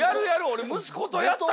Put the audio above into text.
俺息子とやったりする。